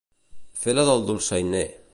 Fer la del dolçainer.